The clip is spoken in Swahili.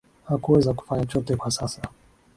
hakuweza kufanya chochote kwa sasa